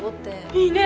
いいね！